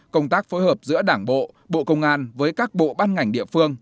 công tác phối hợp giữa đảng bộ bộ công an với các bộ ban ngành địa phương